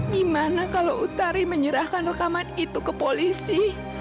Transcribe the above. gimana kalau utari menyerahkan rekaman itu ke polisi